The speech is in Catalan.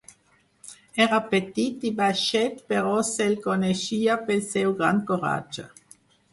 Era petit i baixet però se'l coneixia pel seu gran coratge.